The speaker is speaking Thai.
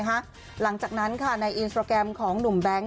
หลังจากนั้นในอินสตราแกรมของหนุ่มแบงค์